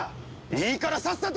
いいからさっさと。